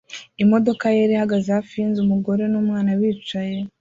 Imodoka yera ihagaze hafi yinzu umugore numwana bicaye